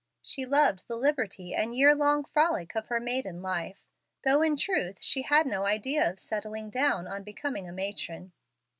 She loved the liberty and year long frolic of her maiden life, though in truth she had no idea of settling down on becoming a matron.